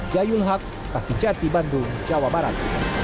jayul hak tati jati bandung jawa barat